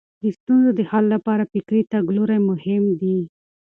د ستونزو د حل لپاره فکري تګلارې مهمې دي.